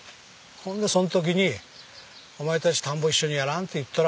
ほんでそん時に「お前たち田んぼ一緒にやらん？」って言ったら急にのって。